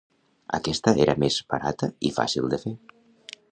Aquesta era més barata i fàcil de fer.